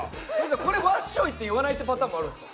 これ、わっしょいって言わないパターンもあるんですか。